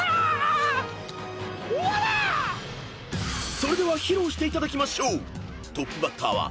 ［それでは披露していただきましょう］